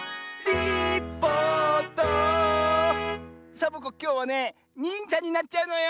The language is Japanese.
サボ子きょうはね「にんじゃ」になっちゃうのよ！